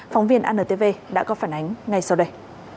phóng viên antv đã có phản ánh ngay sau đây